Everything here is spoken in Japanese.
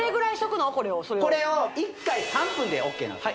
これを１回３分でＯＫなんです